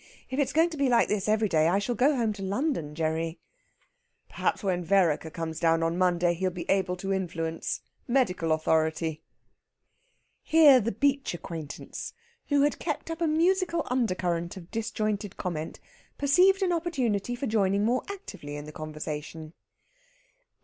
If it's going to be like this every day I shall go home to London, Gerry." "Perhaps when Vereker comes down on Monday he'll be able to influence. Medical authority!" Here the beach acquaintance, who had kept up a musical undercurrent of disjointed comment, perceived an opportunity for joining more actively in the conversation.